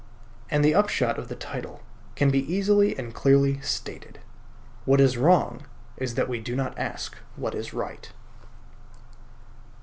and the upshot of the title can be easily and clearly stated. What is wrong is that we do not ask what is right.